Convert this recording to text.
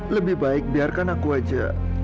lebih baik biarkan aku aja